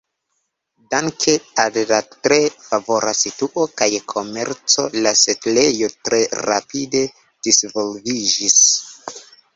Danke al la tre favora situo kaj komerco la setlejo tre rapide disvolviĝis.